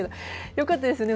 よかったですね。